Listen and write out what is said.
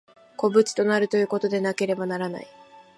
個物となるということでなければならない。